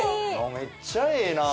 めっちゃええなあ。